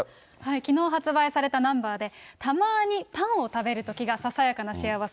きのう発売されたＮｕｍｂｅｒで、たまにパンを食べるときがささやかな幸せ。